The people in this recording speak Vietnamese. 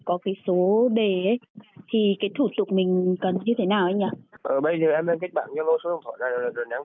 có cái số nào mà nó rẻ hơn ba mươi triệu không